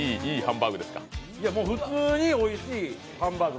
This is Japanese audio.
普通においしいハンバーグ。